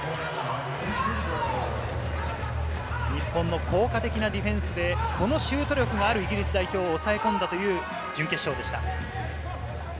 日本の効果的なディフェンスでこのシュート力があるイギリス代表を抑えこんだという準決勝でした。